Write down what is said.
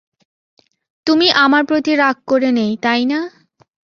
তুমি আমার প্রতি রাগ করে নেই, তাইনা?